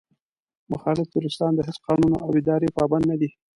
مخالف تروريستان د هېڅ قانون او ادارې پابند نه دي.